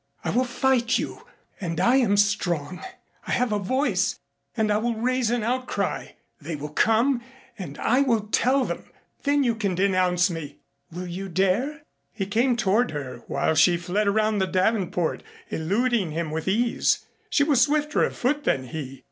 I will fight you, and I am strong. I have a voice and I will raise an outcry. They will come and I will tell them. Then you can denounce me? Will you dare?" He came toward her while she fled around the davenport, eluding him with ease. She was swifter of foot than he.